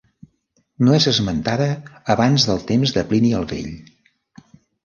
No és esmentada abans del temps de Plini el Vell.